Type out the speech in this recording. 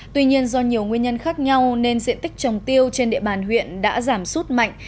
tuy nhiên do nhiều nguyên nhân khác nhau nên diện tích trồng tiêu trên địa bàn huyện đã giảm sút mạnh